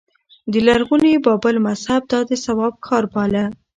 د لرغوني بابل مذهب دا د ثواب کار باله